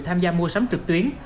tham gia mua sắm trực tuyến